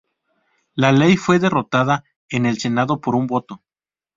La ley fue derrotada en el Senado por un voto.